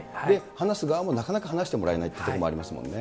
話す側もなかなか話してもらえないというところ、ありますもんね。